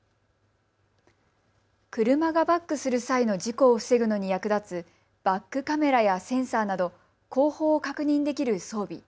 車がバックする際の事故を防ぐのに役立つバックカメラやセンサーなど後方を確認できる装備。